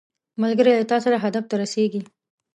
ملګری له تا سره هدف ته رسیږي